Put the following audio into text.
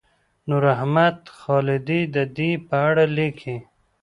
نوراحمد خالدي د دې په اړه لیکلي.